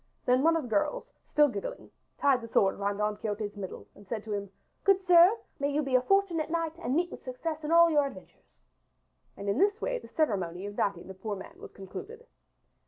Then one of the girls, still giggling, tied the sword about Don Quixote's middle, and said to him: "Good sir, may you be a fortunate knight and meet success in all your adventures." And in this way the ceremony of knighting the poor man was concluded.